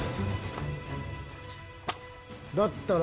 だったら